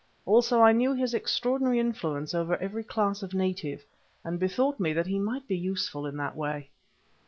Also I knew his extraordinary influence over every class of native, and bethought me that he might be useful in that way.